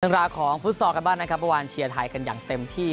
ราวของฟุตซอลกันบ้างนะครับเมื่อวานเชียร์ไทยกันอย่างเต็มที่